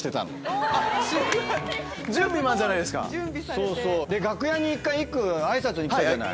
そうそうで楽屋に１回いっくん挨拶に来たじゃない。